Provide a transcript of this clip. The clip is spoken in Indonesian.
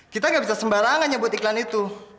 kita gak bisa sembarang aja buat iklan itu